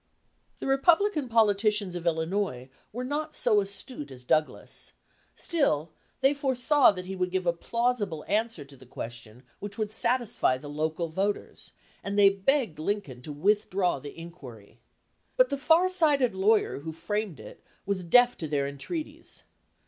The Republican politicians of Illinois were not so astute as Douglas; still they foresaw that he would give a plausible answer to the question which would satisfy the local voters, and they begged Lincoln to withdraw the inquiry. But the far sighted lawyer who framed it was deaf to their entreaties.